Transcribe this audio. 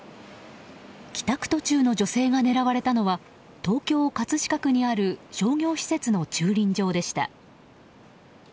帰宅途中の女性が狙われたのは東京・葛飾区にある商業施設の駐輪場でした。